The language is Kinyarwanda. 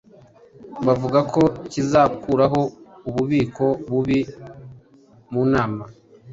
bavuga ko kizakuraho ububiko bubi munama